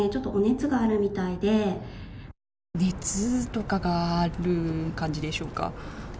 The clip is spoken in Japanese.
熱とかがある感じでしょうか。